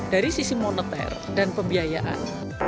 dari sisi moneter dan pembiayaan